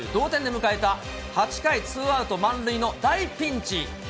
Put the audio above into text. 同点で迎えた８回ツーアウト満塁の大ピンチ。